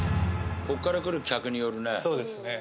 ここから来る客によるね